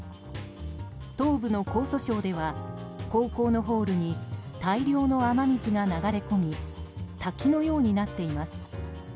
東部の江蘇省では高校のホールに大量の雨水が流れ込み滝のようになっています。